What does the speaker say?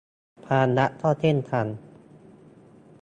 ความรักก็เช่นกัน